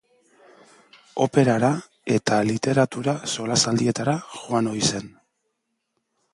Operara eta literatura solasaldietara joan ohi zen.